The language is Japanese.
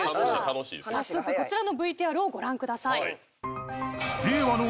まずはこちらのＶＴＲをご覧ください。